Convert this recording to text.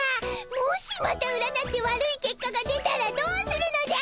もしまた占って悪い結果が出たらどうするのじゃ！